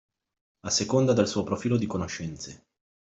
A seconda del suo profilo di conoscenze